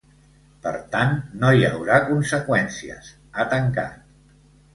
Per tant, no hi haurà conseqüències, ha tancat.